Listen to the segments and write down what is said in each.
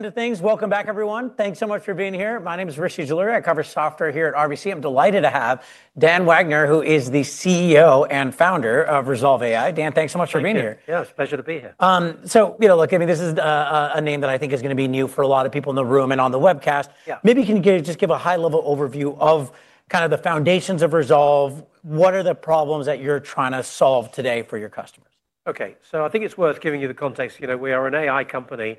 Two things. Welcome back, everyone. Thanks so much for being here. My name is Rishi Jaluria. I cover software here at RBC. I'm delighted to have Dan Wagner, who is the CEO and founder of Rezolve AI. Dan, thanks so much for being here. Yeah, pleasure to be here. You know, look, I mean, this is a name that I think is going to be new for a lot of people in the room and on the webcast. Maybe you can just give a high-level overview of kind of the foundations of Rezolve AI. What are the problems that you're trying to solve today for your customers? Okay, so I think it's worth giving you the context. You know, we are an AI company,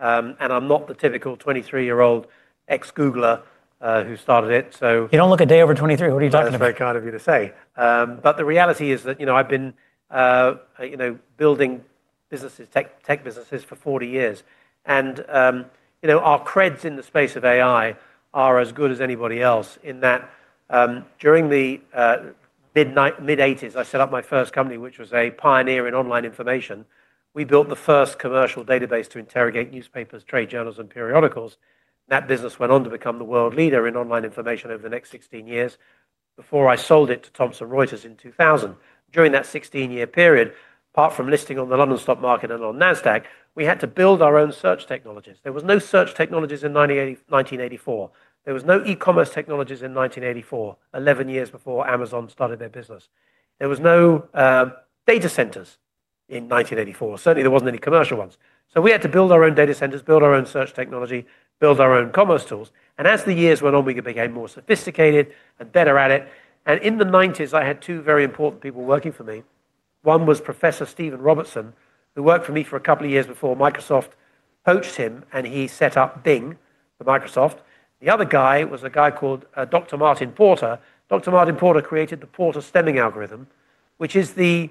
and I'm not the typical 23-year-old ex-Googler who started it, so. You don't look a day over 23. What are you talking about? That's very kind of you to say. The reality is that, you know, I've been, you know, building businesses, tech businesses for 40 years. You know, our creds in the space of AI are as good as anybody else in that during the mid-1980s, I set up my first company, which was a pioneer in online information. We built the first commercial database to interrogate newspapers, trade journals, and periodicals. That business went on to become the world leader in online information over the next 16 years before I sold it to Thomson Reuters in 2000. During that 16-year period, apart from listing on the London Stock Market and on NASDAQ, we had to build our own search technologies. There were no search technologies in 1984. There were no e-commerce technologies in 1984, 11 years before Amazon started their business. There were no data centers in 1984. Certainly, there were not any commercial ones. So we had to build our own data centers, build our own search technology, build our own commerce tools. As the years went on, we became more sophisticated and better at it. In the 1990s, I had two very important people working for me. One was Professor Stephen Robertson, who worked for me for a couple of years before Microsoft poached him, and he set up Bing for Microsoft. The other guy was a guy called Dr. Martin Porter. Dr. Martin Porter created the Porter-Stemming algorithm, which is the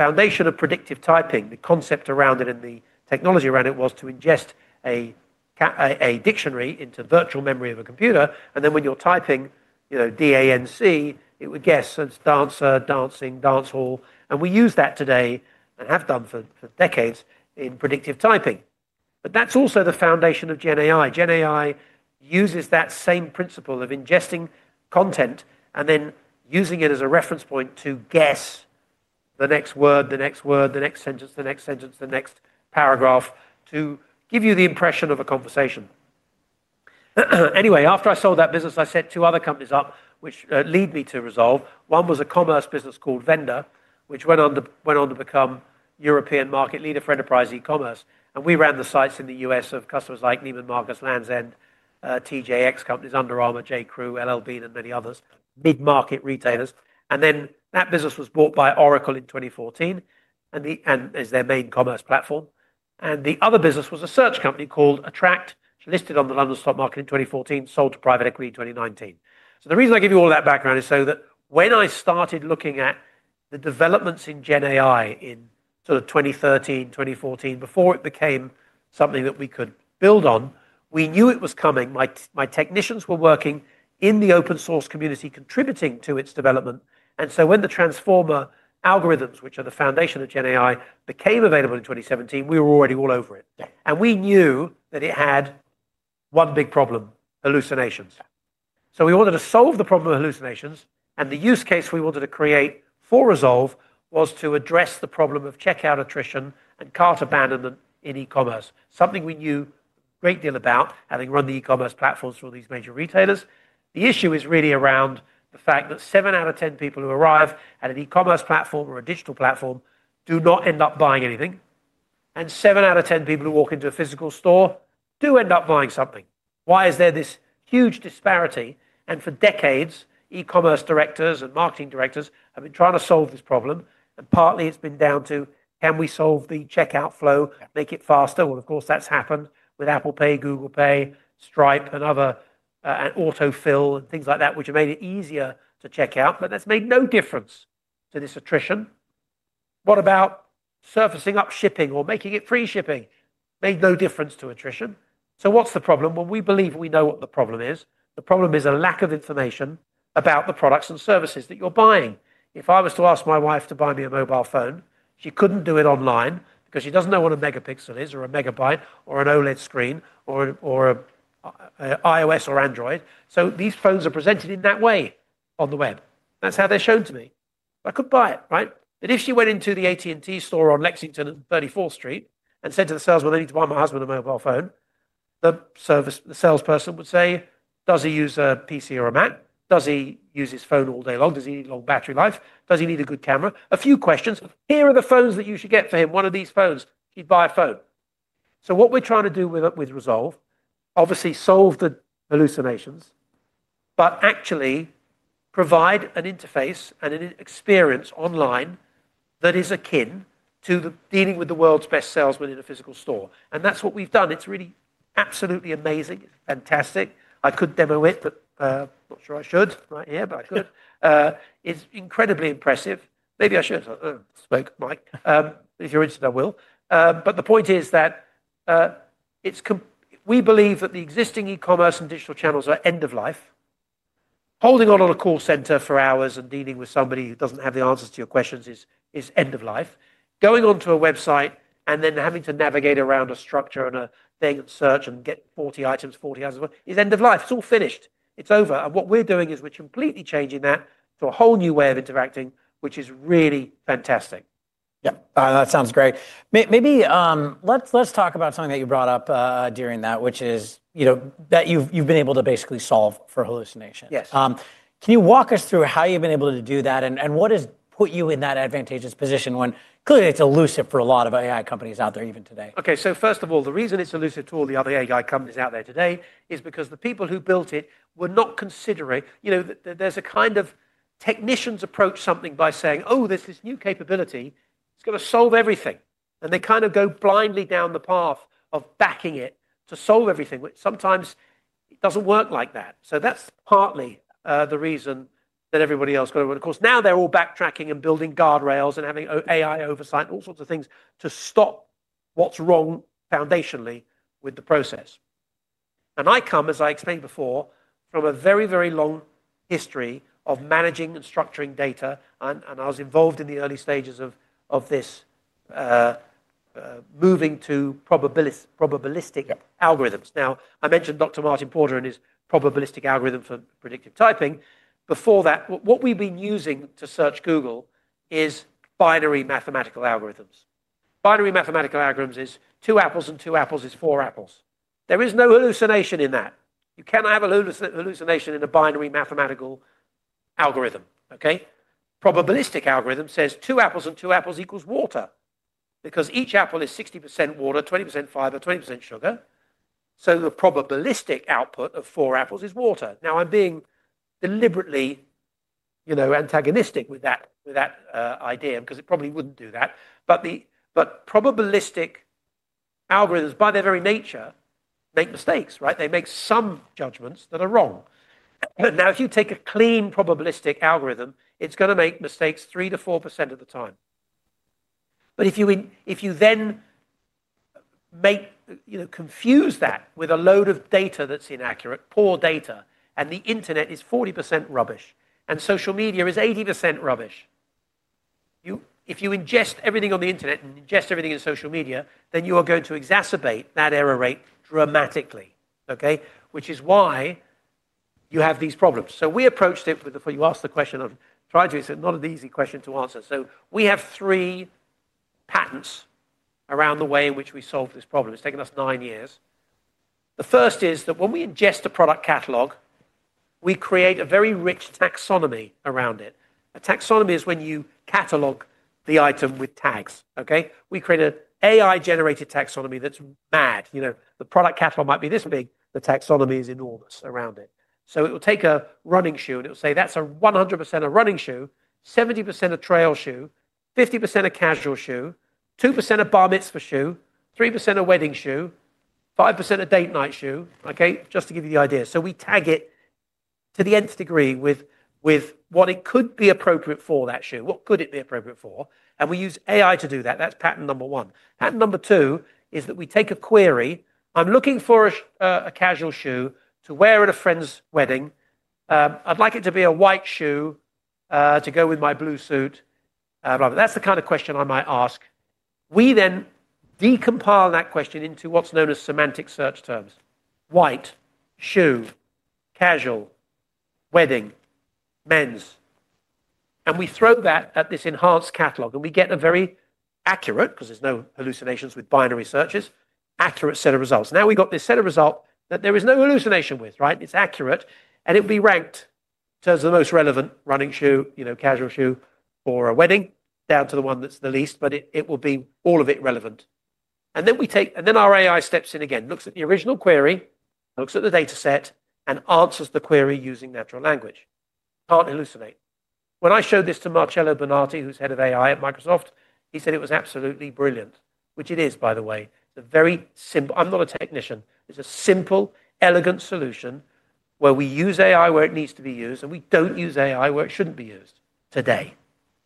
foundation of predictive typing. The concept around it and the technology around it was to ingest a dictionary into virtual memory of a computer. Then when you are typing, you know, DANC, it would guess. So it is dancer, dancing, dancehall. We use that today and have done for decades in predictive typing. That's also the foundation of GenAI. GenAI uses that same principle of ingesting content and then using it as a reference point to guess the next word, the next word, the next sentence, the next sentence, the next paragraph to give you the impression of a conversation. Anyway, after I sold that business, I set two other companies up, which lead me to Rezolve AI. One was a commerce business called Vendor, which went on to become European market leader for enterprise e-commerce. We ran the sites in the U.S. of customers like Neiman Marcus, Land's End, TJX Companies, Under Armour, J. Crew, LL Bean, and many others, mid-market retailers. That business was bought by Oracle in 2014 as their main commerce platform. The other business was a search company called Attract, which listed on the London Stock Market in 2014, sold to private equity in 2019. The reason I give you all that background is so that when I started looking at the developments in GenAI in sort of 2013, 2014, before it became something that we could build on, we knew it was coming. My technicians were working in the open-source community contributing to its development. When the transformer algorithms, which are the foundation of GenAI, became available in 2017, we were already all over it. We knew that it had one big problem: hallucinations. We wanted to solve the problem of hallucinations. The use case we wanted to create for Rezolve AI was to address the problem of checkout attrition and cart abandonment in e-commerce, something we knew a great deal about having run the e-commerce platforms for all these major retailers. The issue is really around the fact that seven out of 10 people who arrive at an e-commerce platform or a digital platform do not end up buying anything. Seven out of 10 people who walk into a physical store do end up buying something. Why is there this huge disparity? For decades, e-commerce directors and marketing directors have been trying to solve this problem. Partly, it's been down to, can we solve the checkout flow, make it faster? Of course, that's happened with Apple Pay, Google Pay, Stripe, and Autofill and things like that, which have made it easier to check out. That has made no difference to this attrition. What about surfacing up shipping or making it free shipping? Made no difference to attrition. What is the problem? We believe we know what the problem is. The problem is a lack of information about the products and services that you are buying. If I was to ask my wife to buy me a mobile phone, she could not do it online because she does not know what a megapixel is or a megabyte or an OLED screen or iOS or Android. These phones are presented in that way on the web. That is how they are shown to me. I could not buy it, right? If she went into the AT&T store on Lexington and 34th Street and said to the sales, "I need to buy my husband a mobile phone," the salesperson would say, "Does he use a PC or a Mac? Does he use his phone all day long? Does he need long battery life? Does he need a good camera? A few questions. Here are the phones that you should get for him. One of these phones, you'd buy a phone. What we're trying to do with Rezolve AI, obviously solve the hallucinations, but actually provide an interface and an experience online that is akin to dealing with the world's best salesman in a physical store. That is what we've done. It's really absolutely amazing. It's fantastic. I could demo it, but I'm not sure I should right here, but I could. It's incredibly impressive. Maybe I should. I spoke Mike. If you're interested, I will. The point is that we believe that the existing e-commerce and digital channels are end of life. Holding on on a call center for hours and dealing with somebody who doesn't have the answers to your questions is end of life. Going onto a website and then having to navigate around a structure and a thing and search and get 40 items, 40 items is end of life. It's all finished. It's over. What we're doing is we're completely changing that to a whole new way of interacting, which is really fantastic. Yeah, that sounds great. Maybe let's talk about something that you brought up during that, which is that you've been able to basically solve for hallucinations. Can you walk us through how you've been able to do that and what has put you in that advantageous position when clearly it's elusive for a lot of AI companies out there even today? Okay, so first of all, the reason it's elusive to all the other AI companies out there today is because the people who built it were not considering, you know, there's a kind of technicians approach something by saying, "Oh, there's this new capability. It's going to solve everything." They kind of go blindly down the path of backing it to solve everything, which sometimes doesn't work like that. That's partly the reason that everybody else got away. Of course, now they're all backtracking and building guardrails and having AI oversight and all sorts of things to stop what's wrong foundationally with the process. I come, as I explained before, from a very, very long history of managing and structuring data. I was involved in the early stages of this moving to probabilistic algorithms. Now, I mentioned Dr. Martin Porter and his probabilistic algorithm for predictive typing. Before that, what we've been using to search Google is binary mathematical algorithms. Binary mathematical algorithms is two apples and two apples is four apples. There is no hallucination in that. You cannot have a hallucination in a binary mathematical algorithm, okay? Probabilistic algorithm says two apples and two apples equals water because each apple is 60% water, 20% fiber, 20% sugar. So the probabilistic output of four apples is water. Now, I'm being deliberately, you know, antagonistic with that idea because it probably wouldn't do that. But probabilistic algorithms, by their very nature, make mistakes, right? They make some judgments that are wrong. Now, if you take a clean probabilistic algorithm, it's going to make mistakes 3%-4% of the time. If you then make, you know, confuse that with a load of data that's inaccurate, poor data, and the internet is 40% rubbish and social media is 80% rubbish, if you ingest everything on the internet and ingest everything in social media, then you are going to exacerbate that error rate dramatically, okay? Which is why you have these problems. We approached it with the, you asked the question, I'm trying to, it's not an easy question to answer. We have three patents around the way in which we solve this problem. It's taken us nine years. The first is that when we ingest a product catalog, we create a very rich taxonomy around it. A taxonomy is when you catalog the item with tags, okay? We create an AI-generated taxonomy that's mad. You know, the product catalog might be this big. The taxonomy is enormous around it. So it will take a running shoe and it will say, "That's 100% a running shoe, 70% a trail shoe, 50% a casual shoe, 2% a bar mitzvah shoe, 3% a wedding shoe, 5% a date night shoe," okay? Just to give you the idea. We tag it to the nth degree with what it could be appropriate for that shoe, what could it be appropriate for. We use AI to do that. That's patent number one. Patent number two is that we take a query. I'm looking for a casual shoe to wear at a friend's wedding. I'd like it to be a white shoe to go with my blue suit. That's the kind of question I might ask. We then decompile that question into what's known as semantic search terms: white, shoe, casual, wedding, men's. We throw that at this enhanced catalog and we get a very accurate, because there's no hallucinations with binary searches, accurate set of results. Now we've got this set of results that there is no hallucination with, right? It's accurate. It will be ranked in terms of the most relevant running shoe, you know, casual shoe for a wedding down to the one that's the least, but it will be all of it relevant. We take, and then our AI steps in again, looks at the original query, looks at the data set, and answers the query using natural language. Can't hallucinate. When I showed this to Marcello Bonatti, who's head of AI at Microsoft, he said it was absolutely brilliant, which it is, by the way. It's a very simple, I'm not a technician. It's a simple, elegant solution where we use AI where it needs to be used and we don't use AI where it shouldn't be used today.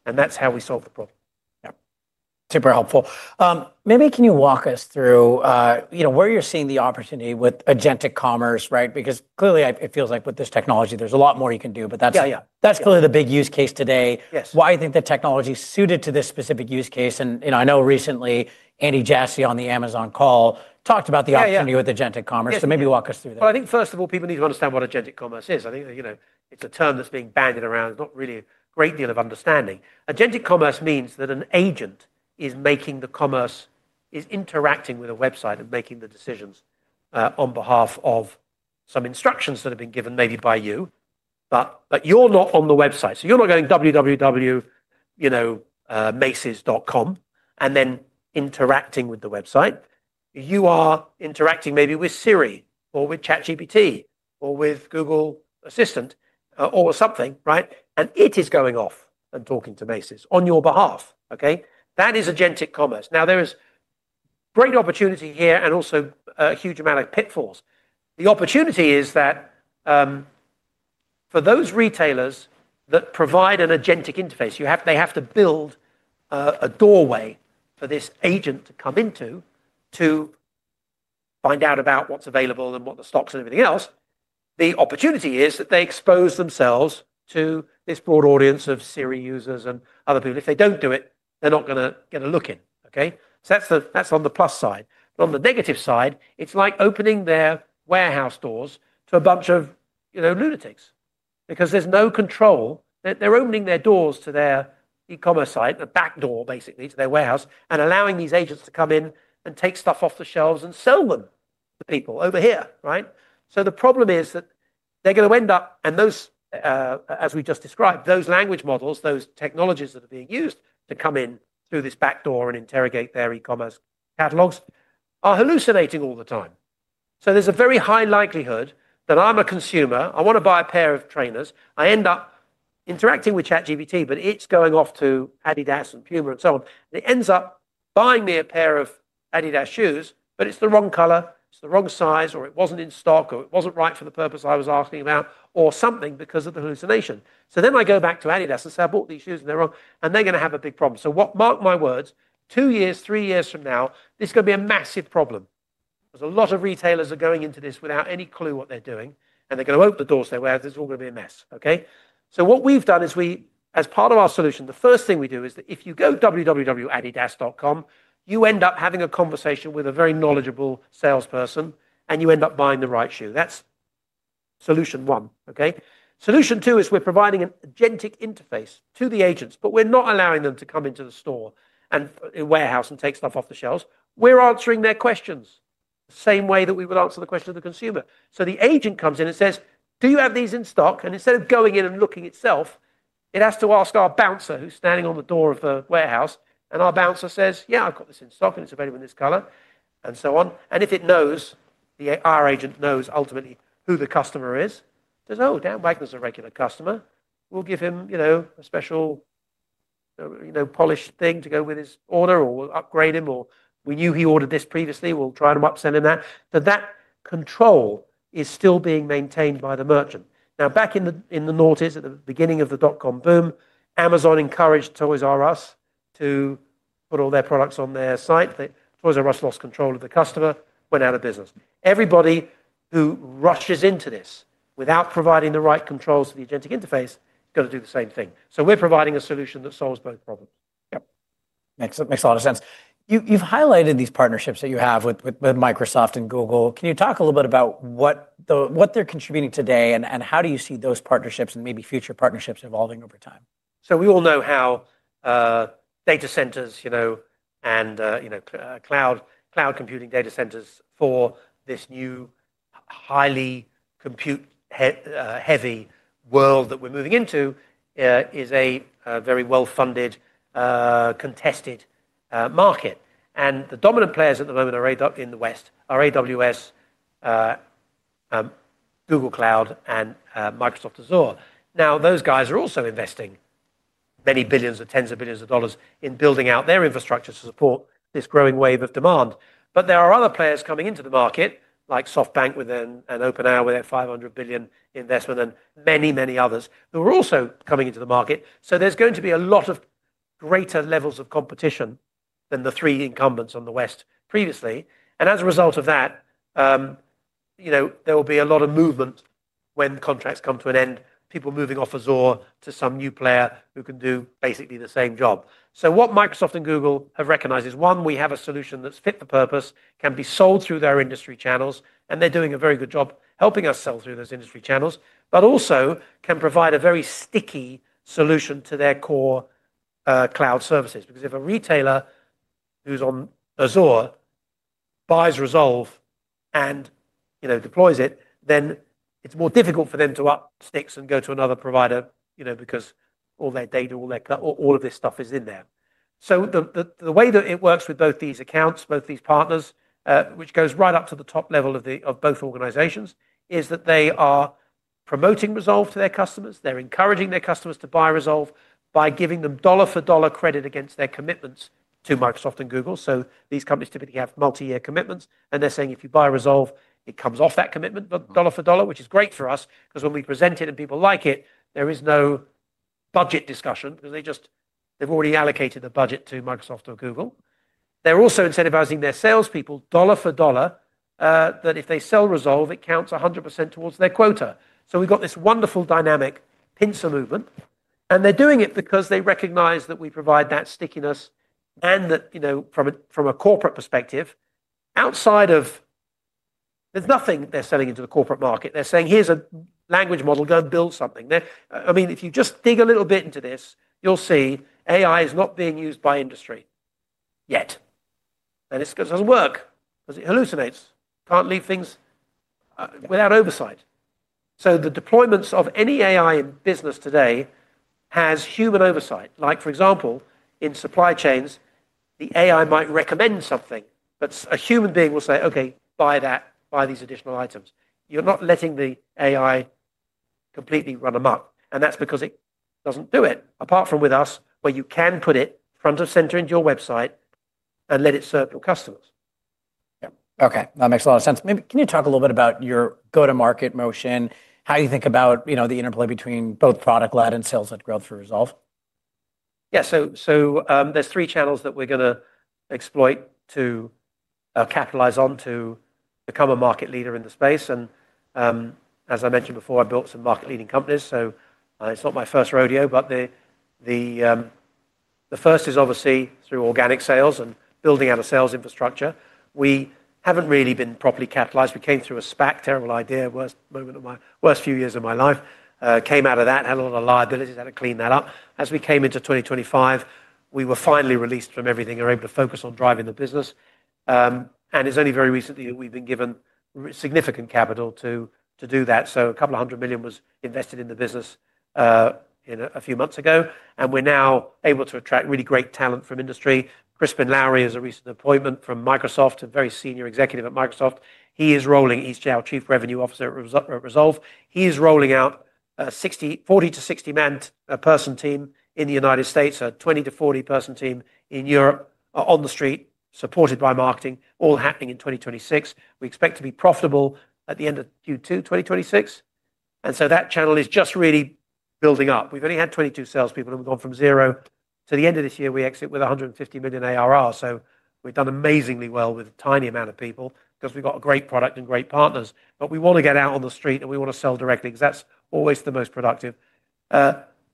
That's how we solve the problem. Yeah, super helpful. Maybe can you walk us through, you know, where you're seeing the opportunity with agentic commerce, right? Because clearly it feels like with this technology, there's a lot more you can do, but that's clearly the big use case today. Why do you think the technology is suited to this specific use case? And you know, I know recently Andy Jassy on the Amazon call talked about the opportunity with agentic commerce. So maybe walk us through that. I think first of all, people need to understand what agentic commerce is. I think, you know, it's a term that's being bandied around. It's not really a great deal of understanding. Agentic commerce means that an agent is making the commerce, is interacting with a website and making the decisions on behalf of some instructions that have been given maybe by you, but you're not on the website. So you're not going www.macys.com and then interacting with the website. You are interacting maybe with Siri or with ChatGPT or with Google Assistant or something, right? And it is going off and talking to Macy's on your behalf, okay? That is agentic commerce. Now there is great opportunity here and also a huge amount of pitfalls. The opportunity is that for those retailers that provide an agentic interface, they have to build a doorway for this agent to come into to find out about what's available and what the stocks and everything else. The opportunity is that they expose themselves to this broad audience of Siri users and other people. If they don't do it, they're not going to get a look in, okay? That's on the plus side. On the negative side, it's like opening their warehouse doors to a bunch of lunatics because there's no control. They're opening their doors to their e-commerce site, the back door basically to their warehouse, and allowing these agents to come in and take stuff off the shelves and sell them to people over here, right? The problem is that they're going to end up, and those, as we just described, those language models, those technologies that are being used to come in through this back door and interrogate their e-commerce catalogs are hallucinating all the time. There is a very high likelihood that I'm a consumer. I want to buy a pair of trainers. I end up interacting with ChatGPT, but it's going off to Adidas and Puma and so on. It ends up buying me a pair of Adidas shoes, but it's the wrong color, it's the wrong size, or it wasn't in stock, or it wasn't right for the purpose I was asking about, or something because of the hallucination. I go back to Adidas and say, "I bought these shoes and they're wrong," and they're going to have a big problem. Mark my words, two years, three years from now, this is going to be a massive problem. There are a lot of retailers that are going into this without any clue what they're doing, and they're going to open the doors their way. It's all going to be a mess, okay? What we've done is we, as part of our solution, the first thing we do is that if you go to www.adidas.com, you end up having a conversation with a very knowledgeable salesperson, and you end up buying the right shoe. That's solution one, okay? Solution two is we're providing an agentic interface to the agents, but we're not allowing them to come into the store and warehouse and take stuff off the shelves. We're answering their questions the same way that we would answer the question of the consumer. The agent comes in and says, "Do you have these in stock?" Instead of going in and looking itself, it has to ask our bouncer who's standing on the door of the warehouse, and our bouncer says, "Yeah, I've got this in stock, and it's available in this color," and so on. If it knows, our agent knows ultimately who the customer is. It says, "Oh, Dan Wagner's a regular customer. We'll give him, you know, a special, you know, polished thing to go with his order or we'll upgrade him, or we knew he ordered this previously. We'll try and upsell him that." That control is still being maintained by the merchant. Back in the noughties, at the beginning of the dot-com boom, Amazon encouraged Toys R Us to put all their products on their site. Toys R Us lost control of the customer, went out of business. Everybody who rushes into this without providing the right controls to the agentic interface is going to do the same thing. We are providing a solution that solves both problems. Yeah, makes a lot of sense. You've highlighted these partnerships that you have with Microsoft and Google. Can you talk a little bit about what they're contributing today and how do you see those partnerships and maybe future partnerships evolving over time? We all know how data centers, you know, and, you know, cloud computing data centers for this new highly compute-heavy world that we're moving into is a very well-funded, contested market. The dominant players at the moment in the West are AWS, Google Cloud, and Microsoft Azure. Now, those guys are also investing many billions or tens of billions of dollars in building out their infrastructure to support this growing wave of demand. There are other players coming into the market, like SoftBank with an open hour with a $500 billion investment and many, many others who are also coming into the market. There's going to be a lot of greater levels of competition than the three incumbents in the West previously. As a result of that, you know, there will be a lot of movement when contracts come to an end, people moving off Azure to some new player who can do basically the same job. What Microsoft and Google have recognized is, one, we have a solution that's fit for purpose, can be sold through their industry channels, and they're doing a very good job helping us sell through those industry channels, but also can provide a very sticky solution to their core cloud services. Because if a retailer who's on Azure buys Rezolve and, you know, deploys it, then it's more difficult for them to up sticks and go to another provider, you know, because all their data, all their cloud, all of this stuff is in there. The way that it works with both these accounts, both these partners, which goes right up to the top level of both organizations, is that they are promoting Rezolve to their customers. They're encouraging their customers to buy Rezolve by giving them dollar-for-dollar credit against their commitments to Microsoft and Google. These companies typically have multi-year commitments, and they're saying if you buy Rezolve, it comes off that commitment dollar-for-dollar, which is great for us because when we present it and people like it, there is no budget discussion because they've already allocated the budget to Microsoft or Google. They're also incentivizing their salespeople dollar-for-dollar that if they sell Rezolve, it counts 100% towards their quota. We've got this wonderful dynamic pincer movement, and they're doing it because they recognize that we provide that stickiness and that, you know, from a corporate perspective, outside of, there's nothing they're selling into the corporate market. They're saying, "Here's a language model, go and build something." I mean, if you just dig a little bit into this, you'll see AI is not being used by industry yet. It doesn't work because it hallucinates. Can't leave things without oversight. The deployments of any AI in business today has human oversight. Like, for example, in supply chains, the AI might recommend something, but a human being will say, "Okay, buy that, buy these additional items." You're not letting the AI completely run amok. That's because it doesn't do it, apart from with us, where you can put it front of center into your website and let it serve your customers. Yeah, okay. That makes a lot of sense. Maybe can you talk a little bit about your go-to-market motion, how you think about, you know, the interplay between both product-led and sales-led growth for Rezolve? Yeah, so there's three channels that we're going to exploit to capitalize on to become a market leader in the space. As I mentioned before, I built some market-leading companies. It's not my 1st rodeo, but the 1st is obviously through organic sales and building out a sales infrastructure. We haven't really been properly capitalized. We came through a SPAC, terrible idea, worst moment of my worst few years of my life. Came out of that, had a lot of liabilities, had to clean that up. As we came into 2025, we were finally released from everything, were able to focus on driving the business. It's only very recently that we've been given significant capital to do that. A couple of hundred million was invested in the business a few months ago, and we're now able to attract really great talent from industry. Crispin Lowry is a recent appointment from Microsoft, a very senior executive at Microsoft. He is rolling, he's now Chief Revenue Officer at Rezolve. He is rolling out a 40-60 person team in the United States, a 20-40 person team in Europe on the street, supported by marketing, all happening in 2026. We expect to be profitable at the end of Q2 2026. That channel is just really building up. We've only had 22 salespeople, and we've gone from zero to the end of this year, we exit with $150 million ARR. We've done amazingly well with a tiny amount of people because we've got a great product and great partners. We want to get out on the street, and we want to sell directly because that's always the most productive.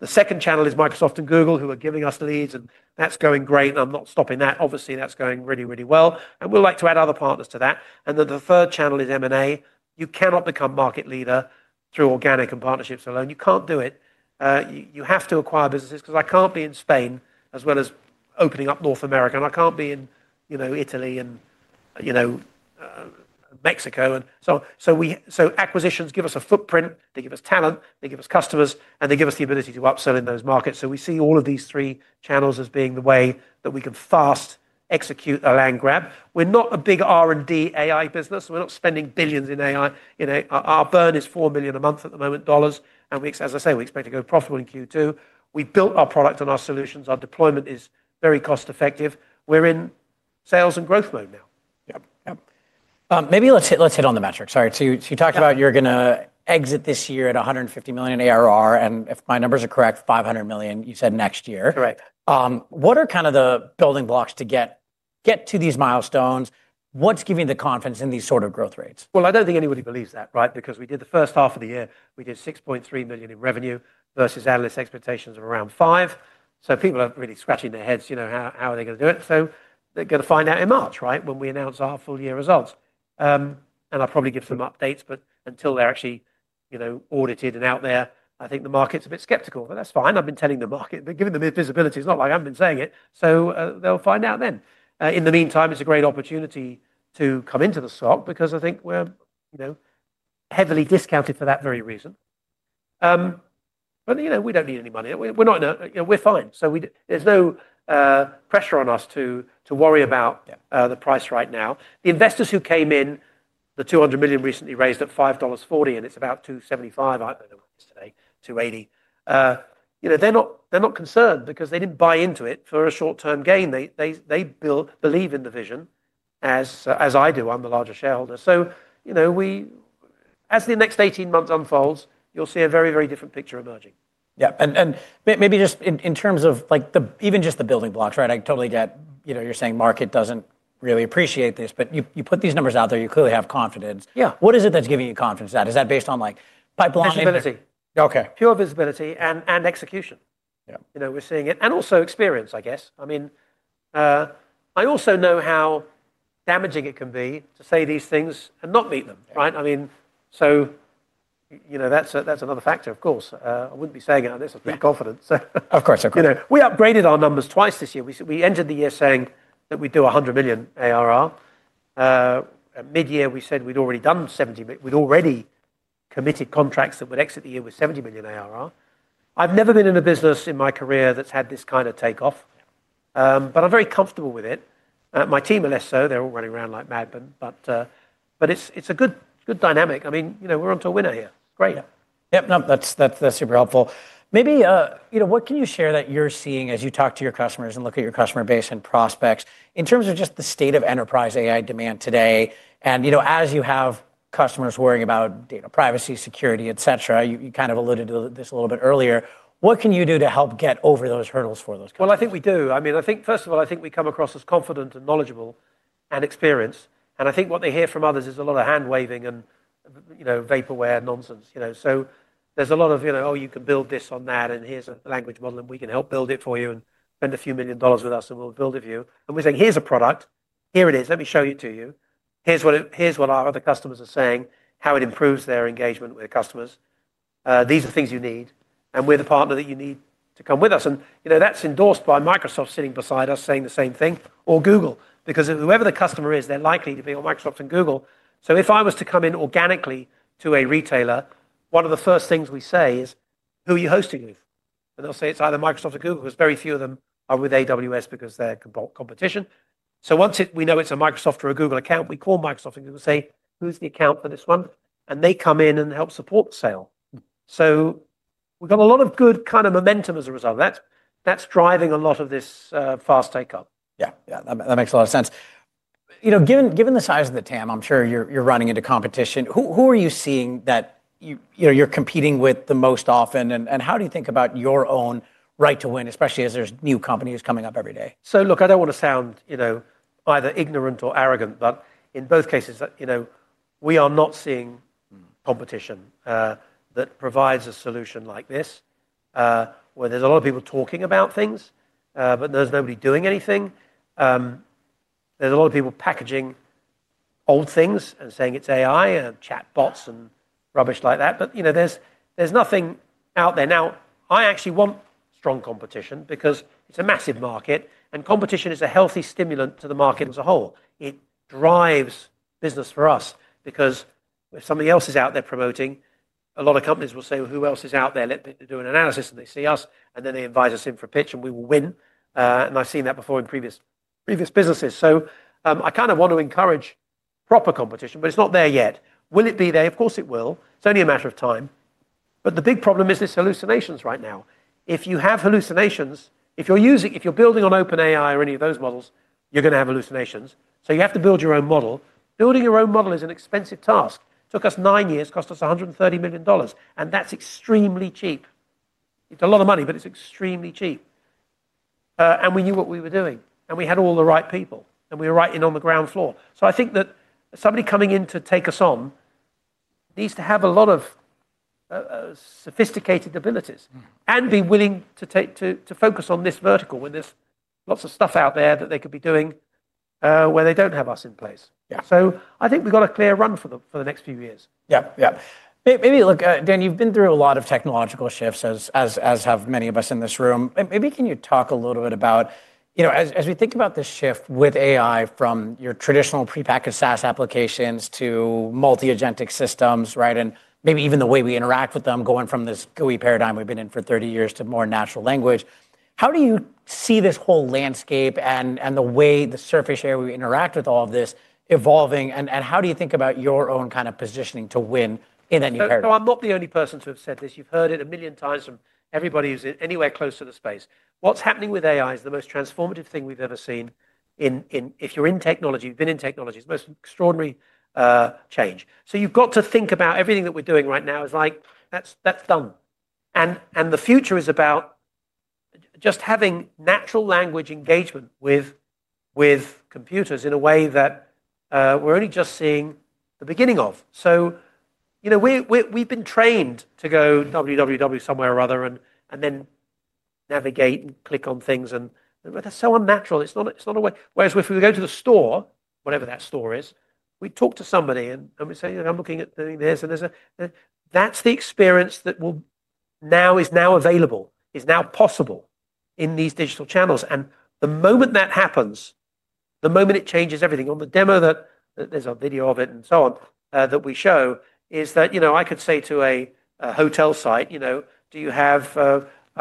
The 2nd channel is Microsoft and Google, who are giving us leads, and that's going great. I'm not stopping that. Obviously, that's going really, really well. We'd like to add other partners to that. The 3rd channel is M&A. You cannot become market leader through organic and partnerships alone. You can't do it. You have to acquire businesses because I can't be in Spain as well as opening up North America. I can't be in, you know, Italy and, you know, Mexico and so on. Acquisitions give us a footprint. They give us talent. They give us customers, and they give us the ability to upsell in those markets. We see all of these three channels as being the way that we can fast execute the land grab. We're not a big R&D AI business. We're not spending billions in AI. Our burn is $4 million a month at the moment dollars. As I say, we expect to go profitable in Q2. We built our product and our solutions. Our deployment is very cost-effective. We're in sales and growth mode now. Yep, yep. Maybe let's hit on the metrics. Sorry. So you talked about you're going to exit this year at $150 million ARR, and if my numbers are correct, $500 million, you said next year. Correct. What are kind of the building blocks to get to these milestones? What's giving you the confidence in these sort of growth rates? I don't think anybody believes that, right? Because we did the first half of the year, we did $6.3 million in revenue versus analysts' expectations of around $5 million. People are really scratching their heads, you know, how are they going to do it? They're going to find out in March, right, when we announce our full year results. I'll probably give some updates, but until they're actually, you know, audited and out there, I think the market's a bit skeptical, but that's fine. I've been telling the market, giving them visibility. It's not like I've been saying it. They'll find out then. In the meantime, it's a great opportunity to come into the stock because I think we're, you know, heavily discounted for that very reason. You know, we don't need any money. We're not in a, you know, we're fine. There's no pressure on us to worry about the price right now. The investors who came in, the $200 million recently raised at $5.40, and it's about $2.75. I don't know what it is today, $2.80. You know, they're not concerned because they didn't buy into it for a short-term gain. They believe in the vision as I do. I'm the larger shareholder. You know, as the next 18 months unfolds, you'll see a very, very different picture emerging. Yeah. And maybe just in terms of like even just the building blocks, right? I totally get, you know, you're saying market doesn't really appreciate this, but you put these numbers out there, you clearly have confidence. What is it that's giving you confidence? Is that based on like pipeline? Pure visibility. Okay. Pure visibility and execution. Yeah. You know, we're seeing it. And also experience, I guess. I mean, I also know how damaging it can be to say these things and not meet them, right? I mean, you know, that's another factor, of course. I wouldn't be saying it unless I'd be confident, so. Of course, of course. You know, we upgraded our numbers twice this year. We entered the year saying that we'd do $100 million ARR. Mid-year, we said we'd already done $70 million. We'd already committed contracts that would exit the year with $70 million ARR. I've never been in a business in my career that's had this kind of takeoff, but I'm very comfortable with it. My team are less so. They're all running around like madmen, but it's a good dynamic. I mean, you know, we're onto a winner here. It's great. Yep. Yep. No, that's super helpful. Maybe, you know, what can you share that you're seeing as you talk to your customers and look at your customer base and prospects in terms of just the state of enterprise AI demand today? You know, as you have customers worrying about data privacy, security, et cetera, you kind of alluded to this a little bit earlier. What can you do to help get over those hurdles for those customers? I think we do. I mean, I think, first of all, I think we come across as confident and knowledgeable and experienced. I think what they hear from others is a lot of hand waving and, you know, vaporware nonsense, you know. There is a lot of, you know, oh, you can build this on that, and here is a language model, and we can help build it for you and spend a few million dollars with us, and we will build it for you. We are saying, here is a product. Here it is. Let me show it to you. Here is what our other customers are saying, how it improves their engagement with customers. These are things you need, and we are the partner that you need to come with us. You know, that's endorsed by Microsoft sitting beside us saying the same thing, or Google, because whoever the customer is, they're likely to be Microsoft and Google. If I was to come in organically to a retailer, one of the first things we say is, who are you hosting with? They'll say it's either Microsoft or Google, because very few of them are with AWS because they're competition. Once we know it's a Microsoft or a Google account, we call Microsoft and say, who's the account for this one? They come in and help support the sale. We've got a lot of good kind of momentum as a result of that. That's driving a lot of this fast takeoff. Yeah, yeah. That makes a lot of sense. You know, given the size of the TAM, I'm sure you're running into competition. Who are you seeing that you're competing with the most often? How do you think about your own right to win, especially as there's new companies coming up every day? Look, I do not want to sound, you know, either ignorant or arrogant, but in both cases, you know, we are not seeing competition that provides a solution like this, where there is a lot of people talking about things, but there is nobody doing anything. There is a lot of people packaging old things and saying it is AI and chatbots and rubbish like that. You know, there is nothing out there. I actually want strong competition because it is a massive market, and competition is a healthy stimulant to the market as a whole. It drives business for us because if something else is out there promoting, a lot of companies will say, who else is out there? Let me do an analysis, and they see us, and then they invite us in for a pitch, and we will win. I have seen that before in previous businesses. I kind of want to encourage proper competition, but it's not there yet. Will it be there? Of course it will. It's only a matter of time. The big problem is this hallucinations right now. If you have hallucinations, if you're building on OpenAI or any of those models, you're going to have hallucinations. You have to build your own model. Building your own model is an expensive task. Took us nine years, cost us $130 million, and that's extremely cheap. It's a lot of money, but it's extremely cheap. We knew what we were doing, and we had all the right people, and we were right in on the ground floor. I think that somebody coming in to take us on needs to have a lot of sophisticated abilities and be willing to focus on this vertical when there's lots of stuff out there that they could be doing where they don't have us in place. I think we've got a clear run for them for the next few years. Yeah, yeah. Maybe look, Dan, you've been through a lot of technological shifts, as have many of us in this room. Maybe can you talk a little bit about, you know, as we think about this shift with AI from your traditional pre-packaged SaaS applications to multi-agentic systems, right? And maybe even the way we interact with them, going from this GUI paradigm we've been in for 30 years to more natural language. How do you see this whole landscape and the way the surface area we interact with all of this evolving? And how do you think about your own kind of positioning to win in that new paradigm? No, I'm not the only person to have said this. You've heard it a million times from everybody who's anywhere close to the space. What's happening with AI is the most transformative thing we've ever seen. If you're in technology, you've been in technology, it's the most extraordinary change. You've got to think about everything that we're doing right now is like, that's done. The future is about just having natural language engagement with computers in a way that we're only just seeing the beginning of. You know, we've been trained to go www. somewhere or other and then navigate and click on things. They're so unnatural. It's not a way. Whereas if we go to the store, whatever that store is, we talk to somebody and we say, I'm looking at this, and that's the experience that is now available, is now possible in these digital channels. The moment that happens, the moment it changes everything on the demo that there's a video of it and so on that we show is that, you know, I could say to a hotel site, you know, do you have,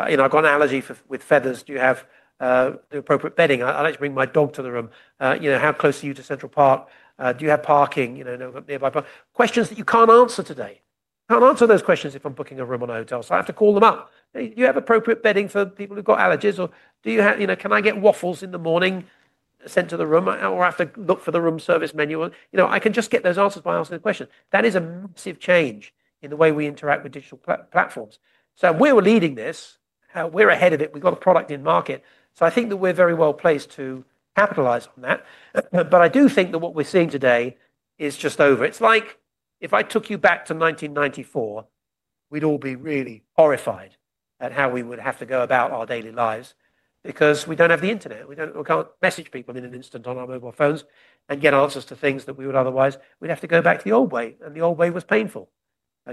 you know, I've got an allergy with feathers. Do you have the appropriate bedding? I like to bring my dog to the room. You know, how close are you to Central Park? Do you have parking, you know, nearby park? Questions that you can't answer today. I can't answer those questions if I'm booking a room on a hotel. I have to call them up. Do you have appropriate bedding for people who've got allergies? Or do you have, you know, can I get waffles in the morning sent to the room? Or I have to look for the room service menu? You know, I can just get those answers by asking the question. That is a massive change in the way we interact with digital platforms. We are leading this. We are ahead of it. We have got a product in market. I think that we are very well placed to capitalize on that. I do think that what we are seeing today is just over. It is like if I took you back to 1994, we would all be really horrified at how we would have to go about our daily lives because we do not have the internet. We can't message people in an instant on our mobile phones and get answers to things that we would otherwise. We'd have to go back to the old way. The old way was painful.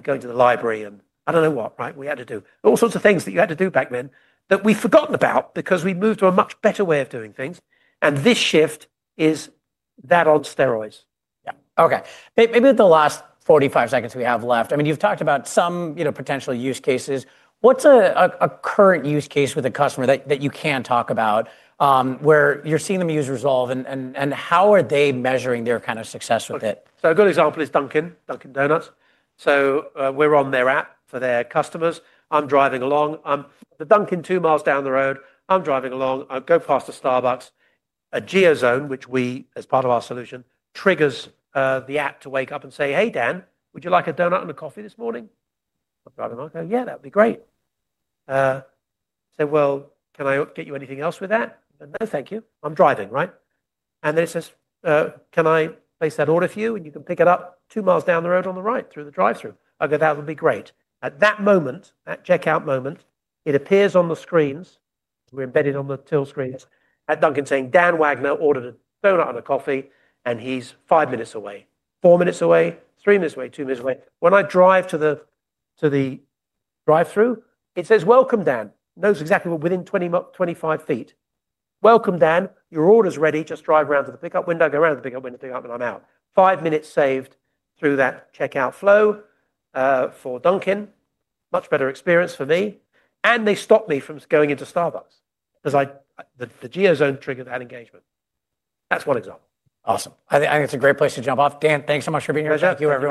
Going to the library and I don't know what, right? We had to do all sorts of things that you had to do back then that we've forgotten about because we've moved to a much better way of doing things. This shift is that on steroids. Yeah. Okay. Maybe with the last 45 seconds we have left, I mean, you've talked about some, you know, potential use cases. What's a current use case with a customer that you can talk about where you're seeing them use Rezolve? And how are they measuring their kind of success with it? A good example is Dunkin', Dunkin' Donuts. We're on their app for their customers. I'm driving along. The Dunkin' two miles down the road. I'm driving along. I go past a Starbucks, a geozone, which we, as part of our solution, triggers the app to wake up and say, "Hey, Dan, would you like a donut and a coffee this morning?" I'm driving along. I go, "Yeah, that'd be great." I say, "Well, can I get you anything else with that?" "No, thank you." I'm driving, right? It says, "Can I place that order for you?" You can pick it up two miles down the road on the right through the drive-thru. I go, "That would be great." At that moment, at checkout moment, it appears on the screens. We're embedded on the till screens at Dunkin' saying, "Dan Wagner ordered a donut and a coffee, and he's five minutes away, four minutes away, three minutes away, two minutes away." When I drive to the drive-thru, it says, "Welcome, Dan." Knows exactly within 25 ft. "Welcome, Dan. Your order's ready. Just drive around to the pickup window. Go around to the pickup window, pick up, and I'm out." Five minutes saved through that checkout flow for Dunkin'. Much better experience for me. They stop me from going into Starbucks because the geozone triggered that engagement. That's one example. Awesome. I think it's a great place to jump off. Dan, thanks so much for being here. Pleasure. [inaudible] Thank you. [inaudible]